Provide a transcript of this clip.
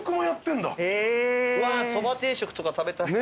そば定食とか食べたい。